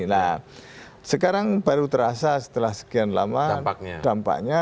nah sekarang baru terasa setelah sekian lama dampaknya